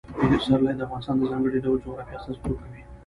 پسرلی د افغانستان د ځانګړي ډول جغرافیه استازیتوب کوي.